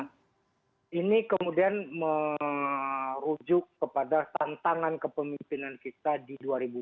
nah ini kemudian merujuk kepada tantangan kepemimpinan kita di dua ribu dua puluh